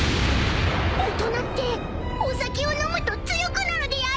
［大人ってお酒を飲むと強くなるでやんすか！？］